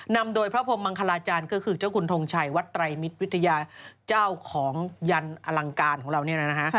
นำโดยพระพรมมังคลาจารย์ก็คือเจ้าคุณทงชัยวัดไตรมิตรวิทยาเจ้าของยันอลังการของเราเนี่ยนะฮะ